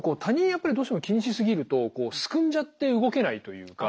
やっぱりどうしても気にしすぎるとすくんじゃって動けないというか。